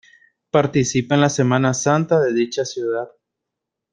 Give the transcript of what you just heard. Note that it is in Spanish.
Participa en la Semana Santa de dicha ciudad.